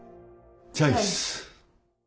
チョイス！